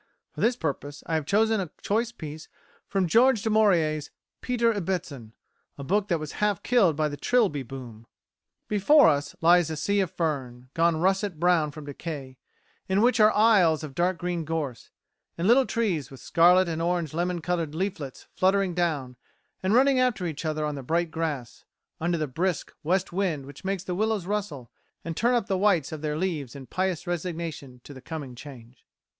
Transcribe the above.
For this purpose I have chosen a choice piece from George Du Maurier's "Peter Ibbetson," a book that was half killed by the Trilby boom. "Before us lies a sea of fern, gone a russet brown from decay, in which are isles of dark green gorse, and little trees with scarlet and orange and lemon coloured leaflets fluttering down, and running after each other on the bright grass, under the brisk west wind which makes the willows rustle, and turn up the whites of their leaves in pious resignation to the coming change.